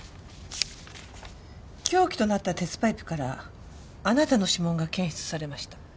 凶器となった鉄パイプからあなたの指紋が検出されました。